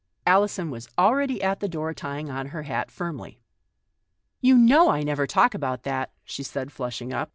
Alison was already at the door, trying on her hat firmly. " You know I never talk about that," she said, flushing up.